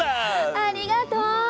ありがとう！